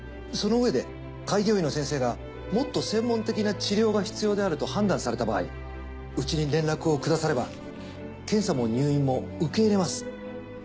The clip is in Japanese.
そのうえで開業医の先生がもっと専門的な治療が必要であると判断された場合うちに連絡をくだされば検査も入院も受け入れます。